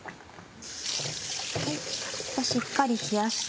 しっかり冷やして。